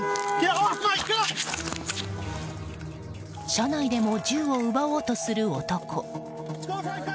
車内でも銃を奪おうとする男。